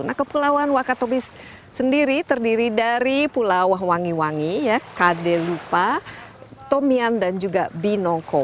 nah kepulauan wakatobi sendiri terdiri dari pulau wangi wangi kadelupa tomian dan juga binoko